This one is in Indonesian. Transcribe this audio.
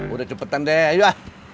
udah cepetan deh ayo